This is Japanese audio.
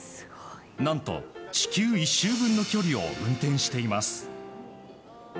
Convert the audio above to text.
何と地球１周分の距離を運転しています。